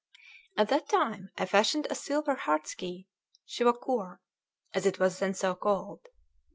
At that time I fashioned a silver heart's key ('chiavaquore'), as it was then so called.